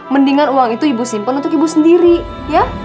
mendingan uang itu ibu simpen untuk ibu sendiri ya